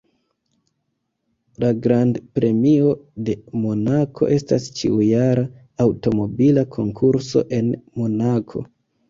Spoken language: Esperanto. La Grand-Premio de Monako estas ĉiujara aŭtomobila konkurso en Monako.